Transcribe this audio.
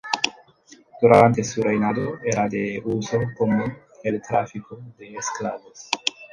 Durante su reinado, era de uso común el tráfico de esclavos.